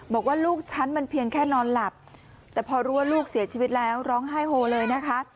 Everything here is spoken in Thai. บอกว่าลูกฉันมันเพียงแค่นอนหลับแต่พอรู้ว่าลูกเสียชีวิตแล้วร้องไห้โฮเลยนะคะ